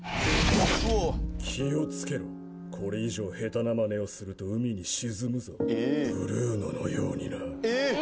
気をつけろこれ以上下手なまねをすると海に沈むぞブルーノのようになえっ！？